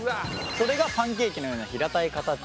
それがパンケーキのような平たい形ということで。